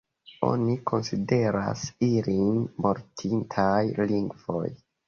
Oni konsideras ilin mortintaj lingvoj.